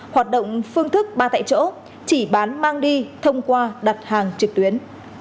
hoạt động phương thức ba tại chỗ chỉ bán mang đi thông qua đặt hàng trực tuyến